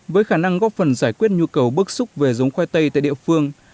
với khả năng góp phần giải quyết nhu cầu bước xúc về giống khoai tây tại địa phương